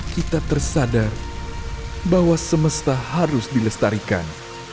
kita tersadar bahwa semesta harus dilestarikan